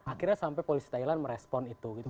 akhirnya sampai polisi thailand merespon itu gitu